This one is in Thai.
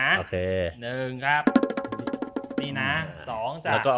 แล้วก็เอาใบสุดท้ายดูนะ